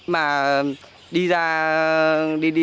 mà đi ra đi đi